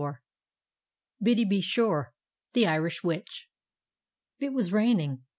BIDDY BE SURE, THE IRISH WITCH It was raining.